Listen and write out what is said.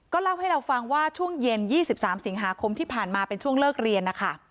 เล่าให้เราฟังว่าช่วงเย็น๒๓สิงหาคมที่ผ่านมาเป็นช่วงเลิกเรียนนะคะ